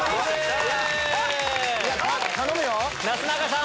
なすなかさん